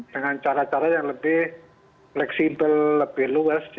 dengan cara cara yang lebih fleksibel lebih luas